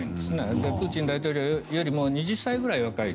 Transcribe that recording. プーチン大統領よりも２０歳くらい若い。